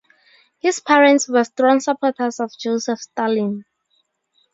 His parents were strong supporters of Joseph Stalin.